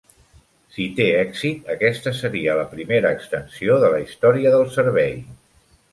Si té èxit, aquesta seria la primera extensió de la història del servei.